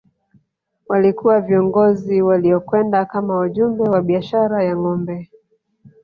Walikuwa viongozi waliokwenda kama wajumbe wa biashara ya ngombe